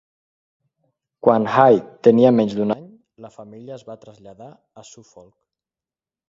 Quan Hay tenia menys d'un any, la família es va traslladar a Suffolk.